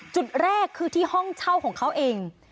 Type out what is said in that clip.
จุดแรกคือที่ห้องเช่าของเขาเอง